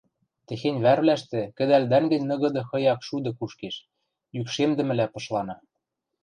техень вӓрвлӓштӹ кӹдӓл дӓнгӹнь ныгыды хыяк шуды кушкеш, йӱкшемдӹмӹлӓ пышлана.